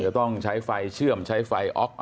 จะต้องใช้ไฟเชื่อมใช้ไฟออก